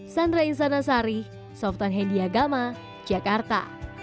sandra insanasari softan hendi agama jakarta